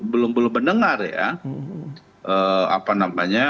belum mendengar ya